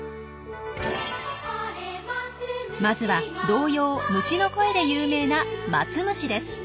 まずは童謡「虫のこえ」で有名なマツムシです。